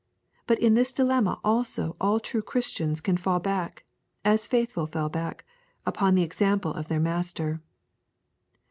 But in this dilemma also all true Christians can fall back, as Faithful fell back, upon the example of their Master.